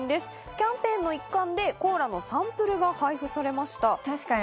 キャンペーンの一環でコーラのサンプルが配布されました。